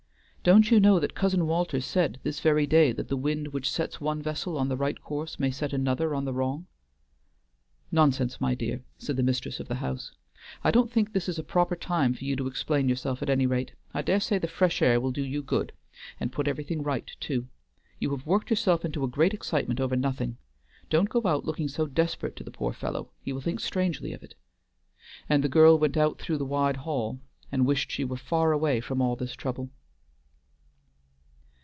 "Don't you know that Cousin Walter said this very day that the wind which sets one vessel on the right course may set another on the wrong?" "Nonsense, my dear," said the mistress of the house. "I don't think this is the proper time for you to explain yourself at any rate. I dare say the fresh air will do you good and put everything right too. You have worked yourself into a great excitement over nothing. Don't go out looking so desperate to the poor fellow; he will think strangely of it;" and the girl went out through the wide hall, and wished she were far away from all this trouble.